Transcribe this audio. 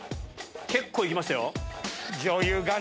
結構行きましたよ。